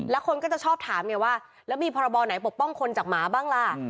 แล้วคนก็จะชอบถามไงว่าแล้วมีพรบไหนปกป้องคนจากหมาบ้างล่ะ